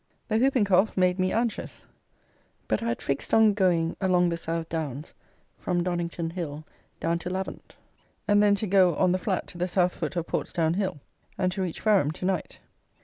The hooping cough made me anxious; but I had fixed on going along the South Downs from Donnington Hill down to Lavant, and then to go on the flat to the South foot of Portsdown Hill, and to reach Fareham to night.